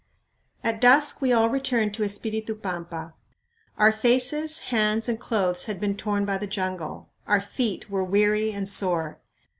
At dusk we all returned to Espiritu Pampa. Our faces, hands, and clothes had been torn by the jungle; our feet were weary and sore.